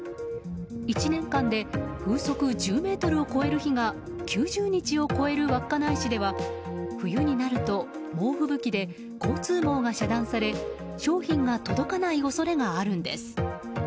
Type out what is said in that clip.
１年間で風速１０メートルを超える日が９０日を超える稚内市では冬になると猛吹雪で交通網が遮断され商品が届かない恐れがあるんです。